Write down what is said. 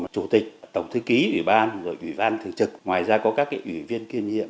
chủ tịch tổng thư ký ủy ban ủy ban thường trực ngoài ra có các ủy viên kiên nhiệm